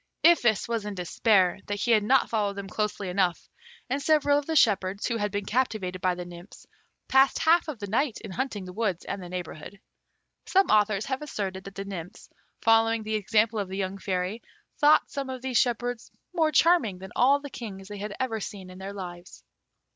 Iphis was in despair that he had not followed them closely enough, and several of the shepherds, who had been captivated by the nymphs, passed half of the night in hunting the woods and the neighbourhood. Some authors have asserted that the nymphs, following the example of the young Fairy, thought some of these shepherds more charming than all the kings they had ever seen in their lives.